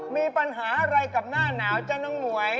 มีปัญหาอะไรกับหน้าหนาวจ้ะน้องหมวย